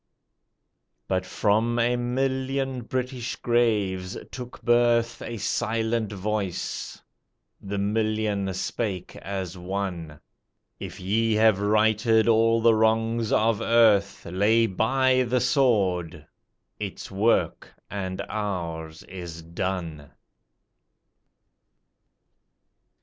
But from a million British graves took birth A silent voice the million spake as one "If ye have righted all the wrongs of earth Lay by the sword! Its work and ours is done."